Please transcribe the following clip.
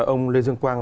ông lê dương quang